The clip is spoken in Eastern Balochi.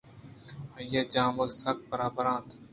آئی ء ِ جامگ سک برٛاہدار اَت